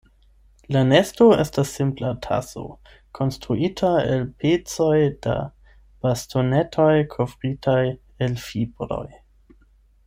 La nesto estas simpla taso konstruita el pecoj da bastonetoj kovritaj el fibroj.